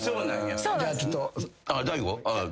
じゃあちょっと。